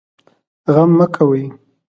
غم مه کوئ